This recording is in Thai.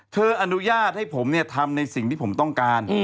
อนุญาตให้ผมทำในสิ่งที่ผมต้องการ